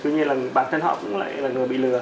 tuy nhiên là bản thân họ cũng lại là vừa bị lừa